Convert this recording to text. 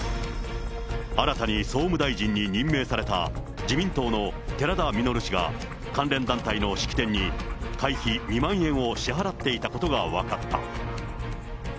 新たに総務大臣に任命された、自民党の寺田稔氏が、関連団体の式典に、会費２万円を支払っていたことが分かった。